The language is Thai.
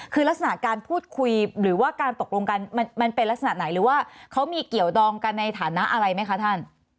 คือลักษณะการพูดคุยหรือว่าการตกลงกันมันเป็นลักษณะไหนหรือว่าเขามีเกี่ยวดองกันในฐานะอะไรไหมคะท่าน